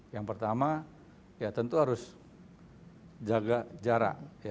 yang pertama ya tentu harus jaga jarak